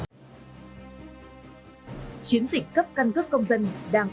chiến dịch cấp căn cước công dân